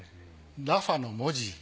ＲＡＦＡの文字